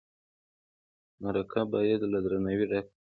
مرکه باید له درناوي ډکه وي.